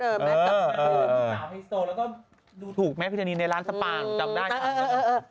แล้วก็ดูถูกแมทพิจารณีในร้านสปางจำได้ครับ